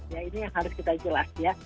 ya ini yang harus kita jelas ya